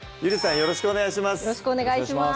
よろしくお願いします